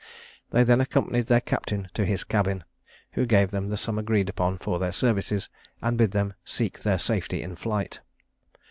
They then accompanied their captain to his cabin, who gave them the sum agreed upon for their services, and bid them seek their safety in flight.